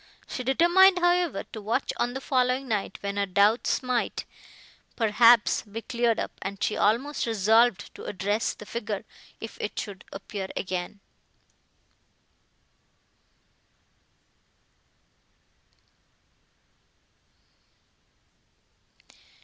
She determined, however, to watch on the following night, when her doubts might, perhaps, be cleared up; and she almost resolved to address the figure, if it should appear again.